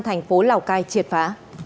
thành phố lào cai triệt phá